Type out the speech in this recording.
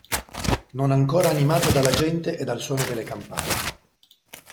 Non ancora animato dalla gente e dal suono delle campane.